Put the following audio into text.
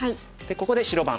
ここで白番。